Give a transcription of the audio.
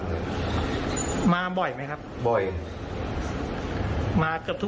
อืม